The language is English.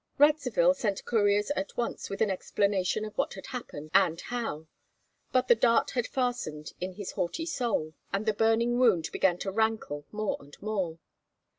Radzivill sent couriers at once with an explanation of what had happened and how; but the dart had fastened in his haughty soul, and the burning wound began to rankle more and more.